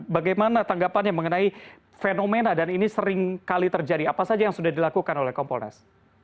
bagaimana tanggapannya mengenai fenomena dan ini sering kali terjadi apa saja yang sudah dilakukan oleh kompolnas